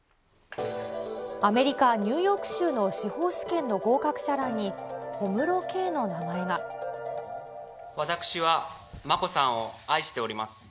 アメリカ・ニューヨーク州の司法試験の合格者欄に、小室圭の私は眞子さんを愛しております。